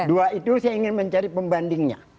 dua itu saya ingin mencari pembandingnya